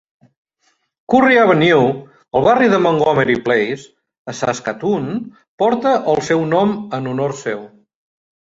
Currie Avenue, al barri de Montgomery Place, a Saskatoon, porta el seu nom en honor seu.